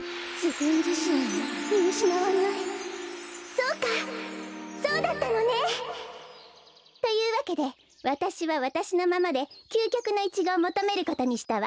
そうかそうだったのね！というわけでわたしはわたしのままできゅうきょくのイチゴをもとめることにしたわ。